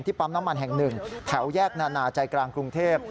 ที่ปั๊มน้ำมันแห่ง๑แถวแยกนาใจกลางกรุงเทพ